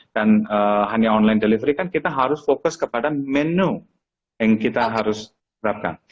dan hanya online delivery kan kita harus fokus kepada menu yang kita harus terapkan